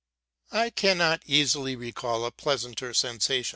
_I cannot easily recall a more pleasant sensation.